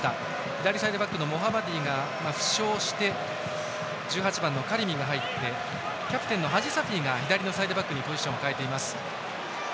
左サイドバックのモハマディが負傷して１８番のカリミと交代してキャプテンのハジサフィが左のサイドバックにポジションを変えています。